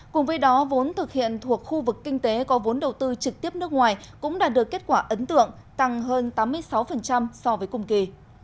cùng với đó vốn thực hiện thuộc khu vực kinh tế có vốn đầu tư trực tiếp nước ngoài cũng đạt được kết quả ấn tượng tăng hơn tám mươi sáu so với cùng kỳ